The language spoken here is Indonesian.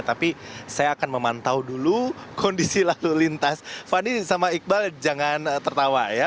tapi saya akan memantau dulu kondisi lalu lintas fani sama iqbal jangan tertawa ya